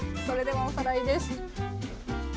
それではおさらいです。